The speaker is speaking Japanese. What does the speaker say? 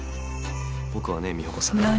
僕はね美保子さん。何！？